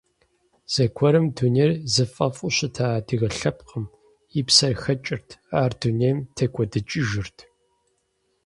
Зэгуэрым дунейр зыфӀэӀэфӀу щыта адыгэ лъэпкъым, и псэр хэкӀырт, ар дунейм текӀуэдыкӀыжырт.